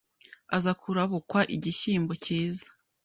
aza kurabukwa igishyimbo kiza